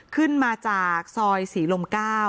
ขึ้นมาจากซอยศรีลม๙